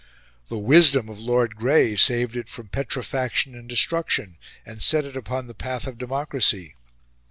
The wisdom of Lord Grey saved it from petrifaction and destruction, and set it upon the path of Democracy.